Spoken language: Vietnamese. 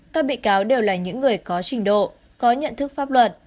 các bị cáo đều là những người có trình độ có nhận thức pháp luật